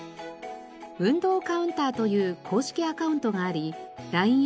運動カウンターという公式アカウントがありＬＩＮＥ